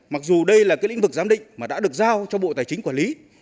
mặc dù đây là cái lĩnh vực giám định mà đã được giao cho bộ tài chính quản lý